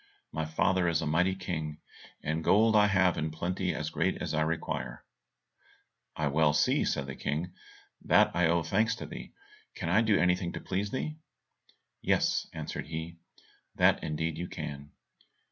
"My father is a mighty King, and gold have I in plenty as great as I require." "I well see," said the King, "that I owe thanks to thee; can I do anything to please thee?" "Yes," answered he, "that indeed you can.